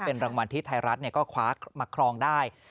เป็นรางวัลที่ไทยรัฐก็คว้ามาครองได้